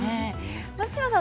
松島さん